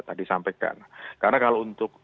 tadi sampaikan karena kalau untuk